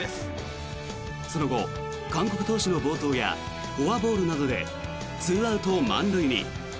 その後、韓国投手の暴投やフォアボールなどで２アウト満塁に。